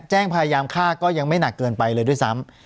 พยายามฆ่าก็ยังไม่หนักเกินไปเลยด้วยซ้ำ